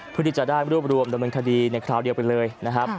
เพื่อที่จะได้รวบรวมดำเนินคดีในคราวเดียวไปเลยนะครับ